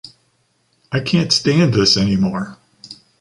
I can’t stand this anymore!